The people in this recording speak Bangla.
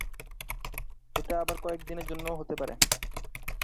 এটা আবার কয়েকদিনের জন্যও হতে পারে।